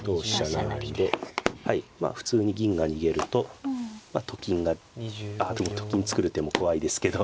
成で普通に銀が逃げるとと金があでもと金作る手も怖いですけど。